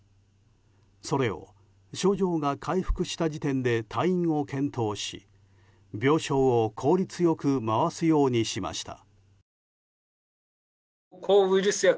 それを症状が回復した時点で退院を検討し病床を効率よく回すようにしました。